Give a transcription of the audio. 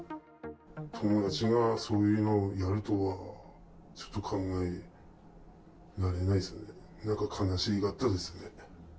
友達がそういうのをやるとは、ちょっと考えられないですよね、なんか、悲しかったですね。